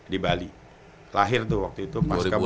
di bali lahir tuh waktu itu